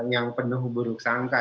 yang penuh buruk sangka